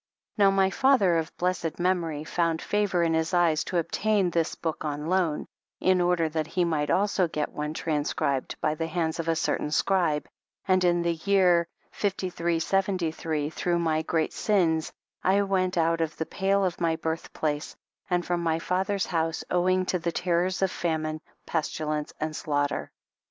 Now my father, of blessed memory, found favor in his eyes, to obtain this book on loan, in order that he might also get one transcribed by the hands of a certain scribe, and in the year 5373,* through my great sins, I went out of the pale of my birth place, and from my father's house, owing to the terrors of famine, pestilence and slaughter.